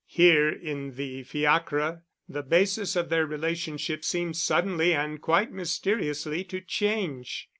Here in the fiacre the basis of their relationship seemed suddenly and quite mysteriously to change.